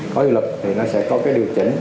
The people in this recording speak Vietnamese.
có hiệu lực thì nó sẽ có cái điều chỉnh